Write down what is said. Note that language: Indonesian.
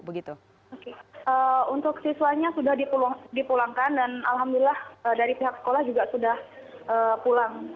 untuk siswanya sudah dipulangkan dan alhamdulillah dari pihak sekolah juga sudah pulang